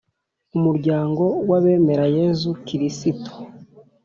umuryango w’abemera yezu kirisito